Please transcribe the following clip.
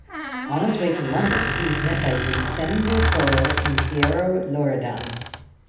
On his way to London he was met by Vincenzo Correr and Piero Loredan.